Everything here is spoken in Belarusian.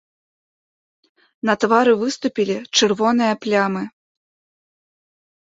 На твары выступілі чырвоныя плямы.